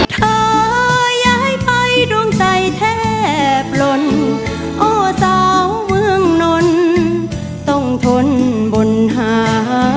เธอย้ายไปดวงใจแทบปลนโอ้สาวเมืองนนต้องทนบนหา